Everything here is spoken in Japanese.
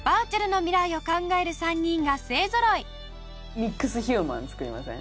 ミックスヒューマン作りません？